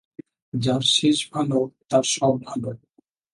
যার শেষ ভাল, তার সব ভাল।